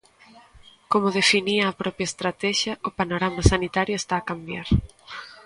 Como definía a propia estratexia, o panorama sanitario está a cambiar.